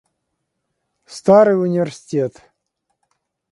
Старый университет.